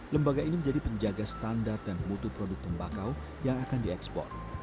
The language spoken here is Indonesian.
lembaga ini menjadi penjaga standar dan mutu produk tembakau yang akan diekspor